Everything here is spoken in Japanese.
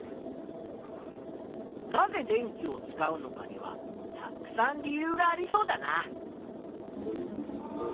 なぜ電気を使うのかにはたくさん理由がありそうだな。